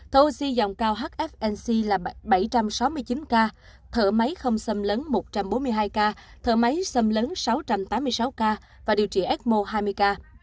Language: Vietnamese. thô di dòng cao hfnc là bảy trăm sáu mươi chín ca thở máy không xâm lấn một trăm bốn mươi hai ca thở máy xâm lấn sáu trăm tám mươi sáu ca và điều trị ecmo hai mươi ca